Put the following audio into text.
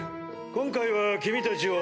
今回は君たちを。